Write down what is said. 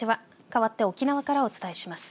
かわって沖縄からお伝えします。